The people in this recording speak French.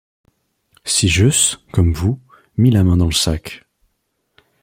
Si j'eusse, comme vous, mis la main dans le sac